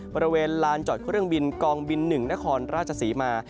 บริเวณลานจอดเครื่องบินกองบิน๑นครราชศรีมา